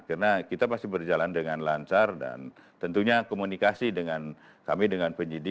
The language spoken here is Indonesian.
karena kita pasti berjalan dengan lancar dan tentunya komunikasi dengan kami dengan penyidik